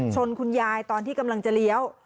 คุณยายตอนที่กำลังจะเลี้ยว